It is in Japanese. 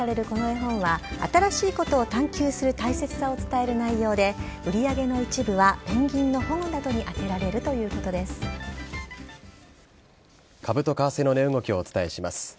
この絵本は、新しいことを探求する大切さを伝える内容で、売り上げの一部はペンギンの保護などに充てられるということです。